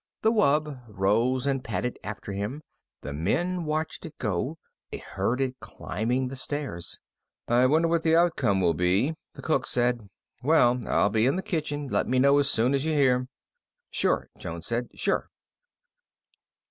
The wub rose and padded after him. The men watched it go out. They heard it climbing the stairs. "I wonder what the outcome will be," the cook said. "Well, I'll be in the kitchen. Let me know as soon as you hear." "Sure," Jones said. "Sure."